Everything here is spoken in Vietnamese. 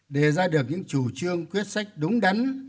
để ra được những chủ trương quyết sách đúng đắn